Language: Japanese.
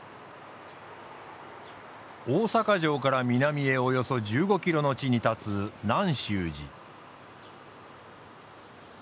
大坂城から南へおよそ１５キロの地に立つ南宗寺。